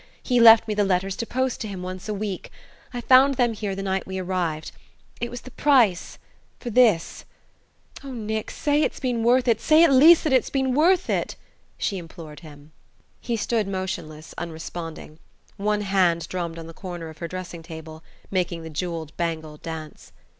She left me the letters to post to him once a week. I found them here the night we arrived.... It was the price for this. Oh, Nick, say it's been worth it say at least that it's been worth it!" she implored him. He stood motionless, unresponding. One hand drummed on the corner of her dressing table, making the jewelled bangle dance.